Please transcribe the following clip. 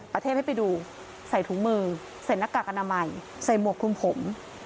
ประเทศให้ไปดูใส่ถุงมือใส่หน้ากากอนามัยใส่หมวกคลุมผม